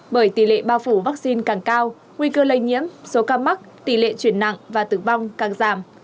bởi tỷ lệ bao phủ vaccine càng cao nguy cơ lây nhiễm số ca mắc tỷ lệ chuyển nặng và tử vong càng giảm